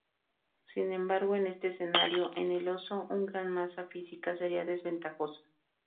Sin embargo, en este escenario, en el oso un gran masa física sería desventajosa.